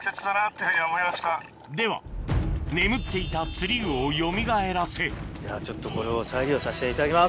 では眠っていた釣り具をよみがえらせじゃあちょっとこれを再利用させていただきます。